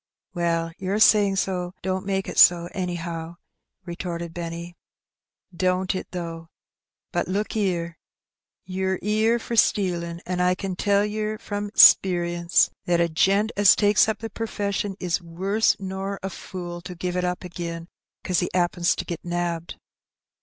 "Well, your saying so don't make it so, anyhow,'* retorted Benny. " Don't it, though ? But look 'ere : ye're 'ere for stealin', and I can tell yer from 'sperience, that a gent as takes up the perfession is worse nor a fool to give it up agin 'cause he 'appens to get nabbed."